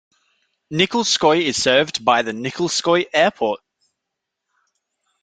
Nikolskoye is served by the Nikolskoye Airport.